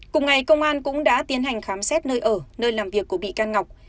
cùng ngày công an cũng đã tiến hành khám xét nơi ở nơi làm việc của bị can ngọc